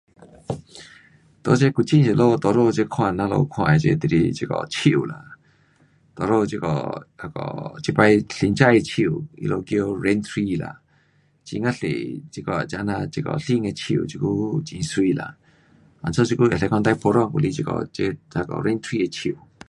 在这古晋这里多数这看我们看的这就是这个树啦。多数这个那个这次新种的树他们叫 rain tree lah 很呀多这啊那这个新的树这久很美啦。因此这久是讲最普通就是这个这那个 rain tree 的树。